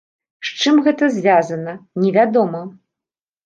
З чым гэта звязана, невядома.